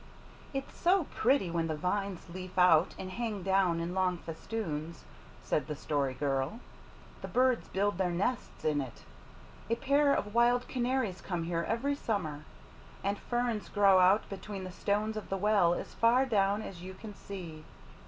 "It's so pretty, when the vines leaf out and hang down in long festoons," said the Story Girl. "The birds build their nests in it. A pair of wild canaries come here every summer. And ferns grow out between the stones of the well as far down as you can see.